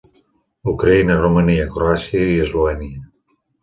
Ucraïna, Romania, Croàcia i Eslovènia.